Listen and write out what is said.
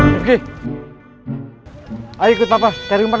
jangan lupa subscribe ubt